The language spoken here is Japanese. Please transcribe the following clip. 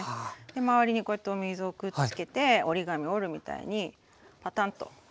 周りにこうやってお水をくっつけて折り紙折るみたいにパタンとします。